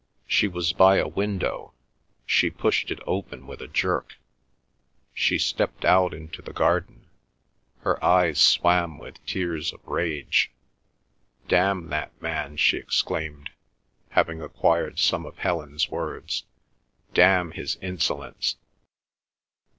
She was by a window, she pushed it open with a jerk. She stepped out into the garden. Her eyes swam with tears of rage. "Damn that man!" she exclaimed, having acquired some of Helen's words. "Damn his insolence!"